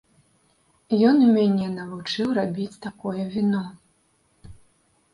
Ён і мяне навучыў рабіць такое віно.